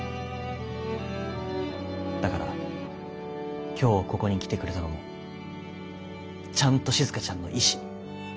だから今日ここに来てくれたのもちゃんとしずかちゃんの意志。